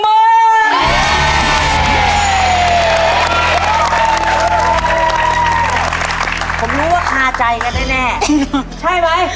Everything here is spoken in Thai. ผมรู้ว่าคาใจกันแน่ใช่ไหม